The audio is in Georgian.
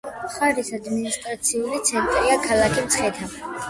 მხარის ადმინისტრაციული ცენტრია ქალაქი მცხეთა.